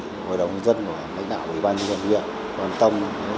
của hội đồng dân của đánh đạo của ủy ban nhân dân huyện